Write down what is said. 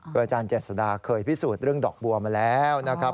คืออาจารย์เจษดาเคยพิสูจน์เรื่องดอกบัวมาแล้วนะครับ